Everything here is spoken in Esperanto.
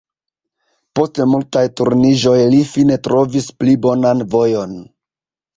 Post multaj turniĝoj li fine trovis pli bonan vojon.